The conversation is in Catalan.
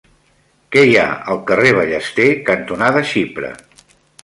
Què hi ha al carrer Ballester cantonada Xipre?